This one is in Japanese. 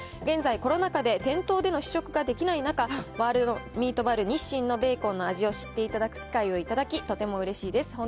現在、コロナ禍で店頭での試食ができない中、ワールドミートバルニッシンのベーコンの味を知っていただく機会を頂き、とてもうれしいです。